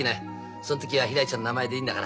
そん時はひらりちゃんの名前でいいんだから。